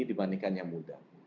dibandingkan yang muda